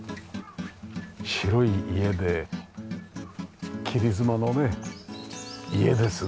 広い家で切妻のね家ですね。